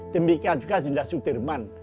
demikian juga zindasudirman